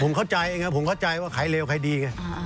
ผมเข้าใจเองครับผมเข้าใจว่าขายเลวขายดี